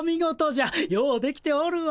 ようできておるわ。